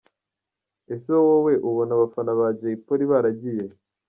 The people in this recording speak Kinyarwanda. Ese wowe ubona abafana ba Jay Polly baragiye he ?.